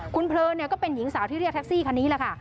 คุณเพลินก็เป็นหญิงสาวที่เรียกแท็กซี่คันนี้แหละค่ะ